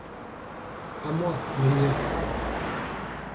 À moi, les miens!